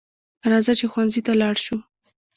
راځه چې ښوونځي ته لاړ شو